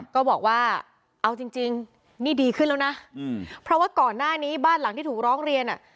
ก็บอกว่าเอาจริงนี่ดีขึ้นแล้วนะเพราะว่าก่อนหน้านี้บ้านหลังที่ถูกร้องเรียนอ่ะ